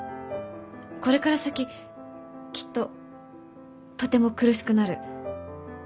これから先きっととても苦しくなる。